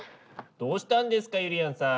どうしたんですかゆりやんさん？